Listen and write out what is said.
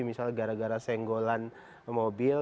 misalnya gara gara senggolan mobil